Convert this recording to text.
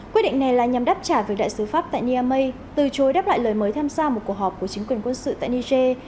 quyết định này là nhằm đáp trả việc đại sứ pháp tại niamey từ chối đáp lại lời mới tham gia một cuộc họp của chính quyền quân sự tại niger